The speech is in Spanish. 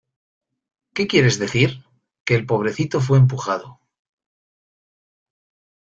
¿ Qué quieres decir? Que el pobrecito fue empujado...